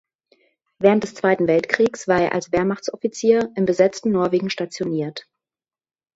Während des Zweiten Weltkriegs war er als Wehrmachtsoffizier im besetzten Norwegen stationiert.